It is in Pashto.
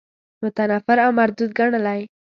متنفر او مردود ګڼلی.